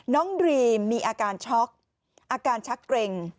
ดรีมมีอาการช็อกอาการชักเกร็ง